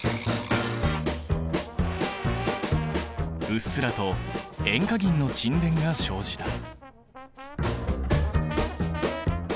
うっすらと塩化銀の沈殿が生じた。